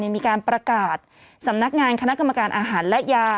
มีการประกาศสำนักงานคณะกรรมการอาหารและยา